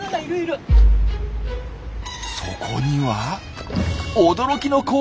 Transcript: そこには驚きの光景が！